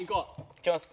いきます。